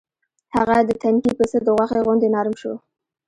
هغه د تنکي پسه د غوښې غوندې نرم شو.